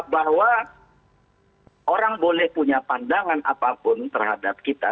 bahwa orang boleh punya pandangan apapun terhadap kita